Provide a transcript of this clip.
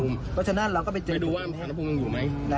เพราะฉะนั้นเราก็ไปเจอดูว่ามีแฮนภูมิยังอยู่ไหม